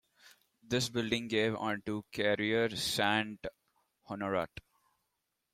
This building gave onto Carrer Sant Honorat.